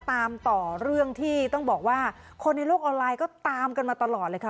ตามต่อเรื่องที่ต้องบอกว่าคนในโลกออนไลน์ก็ตามกันมาตลอดเลยค่ะ